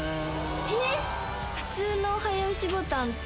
えっ！